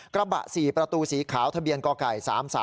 กระบะ๔ประตูสีขาวทะเบียนกไก่๓๓